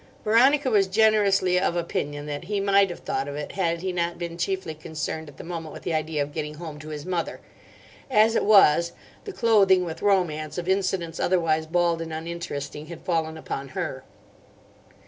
Veronica was generously of opinion that he might have thought of it had he not been chiefly concerned at the moment with the idea of getting home to his mother. As it was, the clothing with romance of incidents otherwise bald and uninteresting had fallen upon her.